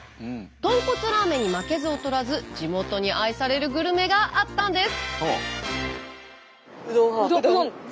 豚骨ラーメンに負けず劣らず地元に愛されるグルメがあったんです。